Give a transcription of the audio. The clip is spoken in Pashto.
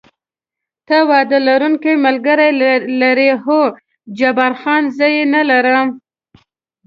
ته واده لرونکی ملګری لرې؟ هو، جبار خان: زه یې نه لرم.